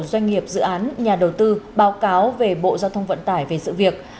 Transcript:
doanh nghiệp dự án nhà đầu tư báo cáo về bộ giao thông vận tải về sự việc